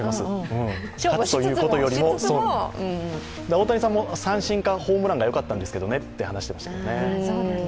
大谷さんも三振かホームランがよかったんですけどねと話していましたね。